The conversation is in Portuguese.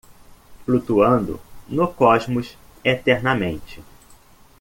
Flutuando no cosmos eternamente.